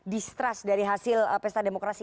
distrust dari hasil pesta demokrasi